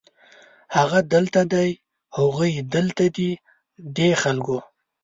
هغه دلته دی، هغوی دلته دي ، دې خلکو